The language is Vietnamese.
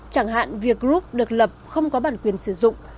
chẳng hạn việc group được lập không có bản quyền sử dụng